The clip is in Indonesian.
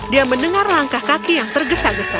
dia mendengar langkah kaki yang tergesa gesa